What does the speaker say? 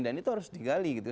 dan itu harus digali gitu